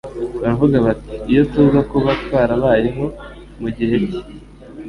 Baravuga bati : Iyo tuza kuba twarabayeho mu gihe cye,